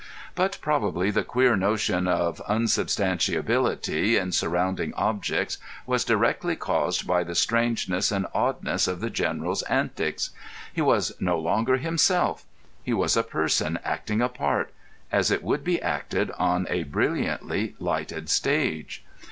But probably the queer notion of unsubstantiality in surrounding objects was directly caused by the strangeness and oddness of the General's antics. He was no longer himself; he was a person acting a part—as it would be acted on a brilliantly lighted stage.